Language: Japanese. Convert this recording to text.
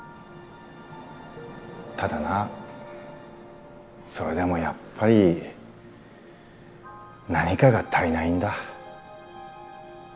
ただなそれでもやっぱり何かが足りないんだ。